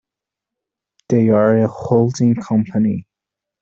They're a holding company.